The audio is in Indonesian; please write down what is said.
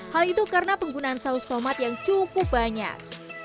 hal itu karena penggunaan saus tomat yang cukup banyak